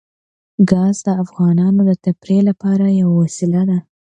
ګاز د افغانانو د تفریح یوه وسیله ده.